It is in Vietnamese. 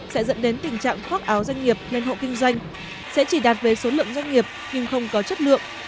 sẽ dẫn đến tình trạng khoác áo doanh nghiệp lên hộ kinh doanh sẽ chỉ đạt về số lượng doanh nghiệp nhưng không có chất lượng